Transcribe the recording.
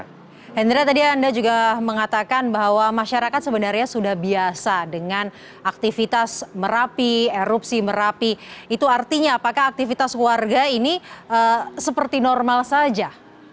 hendra tadi anda juga mengatakan bahwa masyarakat sebenarnya sudah biasa dengan aktivitas merapi erupsi merapi itu artinya apakah aktivitas warga ini seperti normal saja